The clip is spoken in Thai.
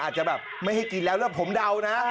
อาจจะแบบไม่ให้กินแล้วแล้วผมเดานะ